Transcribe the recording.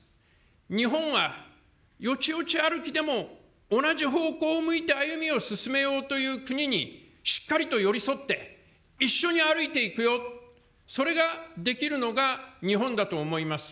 日本はよちよち歩きでも、同じ方向を向いて歩みを進めようという国にしっかりと寄り添って、一緒に歩いていくよ、それができるのが日本だと思います。